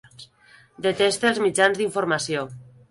Deteste els mitjans d’informació.